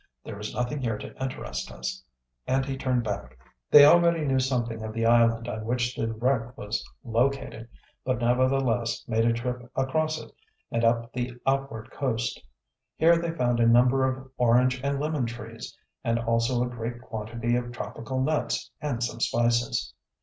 "There is nothing here to interest us," and he turned back. They already knew something of the island on which the wreck was located, but, nevertheless, made a trip across it and up the outward coast. Here they found a number of orange and lemon trees, and also a great quantity of tropical nuts and some spices.